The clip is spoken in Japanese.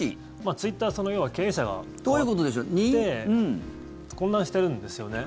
ツイッター要は経営者が代わって混乱してるんですよね。